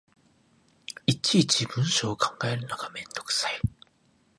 いちいち文章を考えるのがめんどくさい